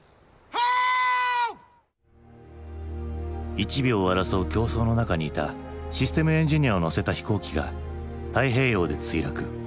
１秒を争う競争の中にいたシステムエンジニアを乗せた飛行機が太平洋で墜落。